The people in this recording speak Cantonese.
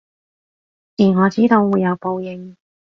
而我知道會有報應